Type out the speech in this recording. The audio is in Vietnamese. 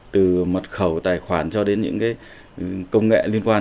từ mật khẩu tài khoản cho đến những công nghệ liên quan